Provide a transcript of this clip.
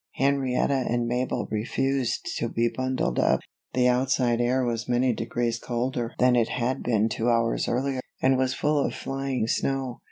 Henrietta and Mabel refused to be bundled up. The outside air was many degrees colder than it had been two hours earlier, and was full of flying snow.